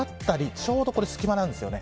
ちょうどこれ、隙間なんですよね